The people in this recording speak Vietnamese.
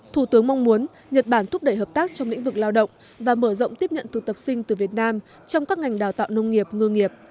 thủ tướng mong muốn nhật bản thúc đẩy hợp tác trong lĩnh vực lao động và mở rộng tiếp nhận thực tập sinh từ việt nam trong các ngành đào tạo nông nghiệp ngư nghiệp